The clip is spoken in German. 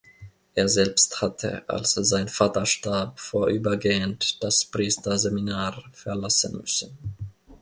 Er selbst hatte, als sein Vater starb, vorübergehend das Priesterseminar verlassen müssen.